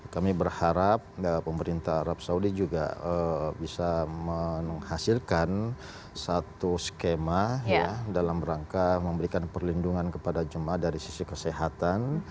kami berharap pemerintah arab saudi juga bisa menghasilkan satu skema dalam rangka memberikan perlindungan kepada jemaah dari sisi kesehatan